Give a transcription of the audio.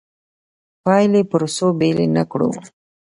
پایلې پروسو بېلې نه کړو.